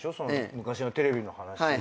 昔のテレビの話。